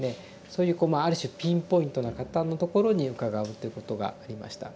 そういうある種ピンポイントな方のところに伺うっていうことがありました。